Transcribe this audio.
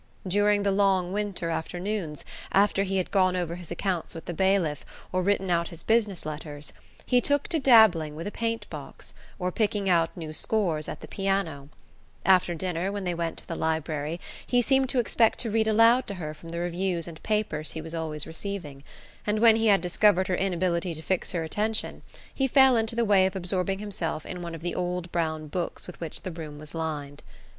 During the long winter afternoons, after he had gone over his accounts with the bailiff, or written his business letters, he took to dabbling with a paint box, or picking out new scores at the piano; after dinner, when they went to the library, he seemed to expect to read aloud to her from the reviews and papers he was always receiving; and when he had discovered her inability to fix her attention he fell into the way of absorbing himself in one of the old brown books with which the room was lined.